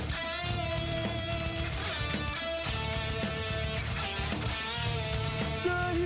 สุดท้าย